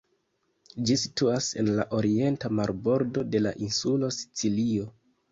Ĝi situas en la orienta marbordo de la insulo Sicilio.